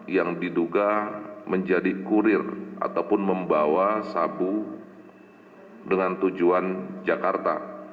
yang diduga menjadi kurir ataupun membawa sabu dengan tujuan jakarta